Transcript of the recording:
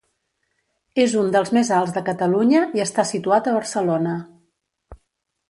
És un dels més alts de Catalunya i està situat a Barcelona.